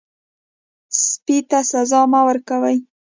سپي ته سزا مه ورکوئ.